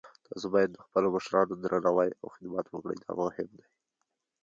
تاسو باید د خپلو مشرانو درناوی او خدمت وکړئ، دا مهم ده